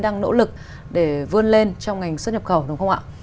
đang nỗ lực để vươn lên trong ngành xuất nhập khẩu đúng không ạ